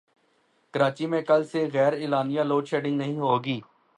کراچی میں کل سے غیراعلانیہ لوڈشیڈنگ نہیں ہوگی